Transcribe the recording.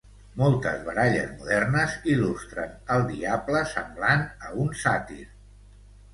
Moltes baralles modernes il·lustren el diable semblant a un sàtir.